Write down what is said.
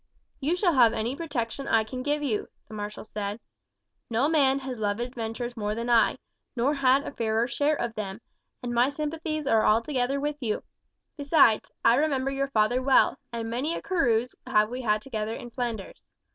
"You shall have any protection I can give you," the marshal said. "No man has loved adventures more than I, nor had a fairer share of them, and my sympathies are altogether with you; besides, I remember your father well, and many a carouse have we had together in Flanders.